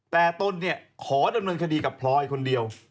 แต่ตนเนี่ยขอดำเนินคดีกับพลอยคนเดียว